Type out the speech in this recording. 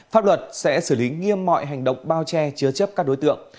pháp luật sẽ xử lý nghiêm mọi hành động bao che chứa chấp các đối tượng